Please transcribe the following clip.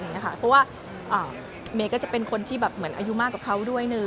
เพราะว่าเมย์ก็จะเป็นคนที่อายุมากกว่าเขาด้วย